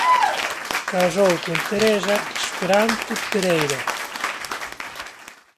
Casou con Teresa Esperante Pereira.